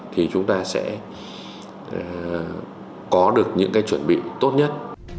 thì chúng ta sẽ có được những cái chuẩn bị tốt nhất